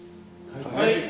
はい。